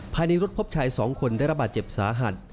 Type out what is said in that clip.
ภายในรถพบชาย๒คนได้ระบาดเจ็บสาหัส